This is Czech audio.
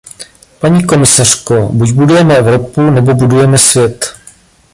Paní komisařko, buď budujeme Evropu nebo budujeme svět.